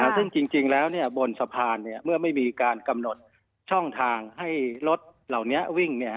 ซึ่งจริงแล้วบนสะพานเมื่อไม่มีการกำหนดช่องทางให้รถเหล่านี้วิ่ง